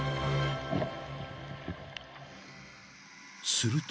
［すると］